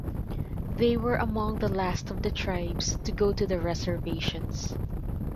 They were among the last of the tribes to go to the reservations.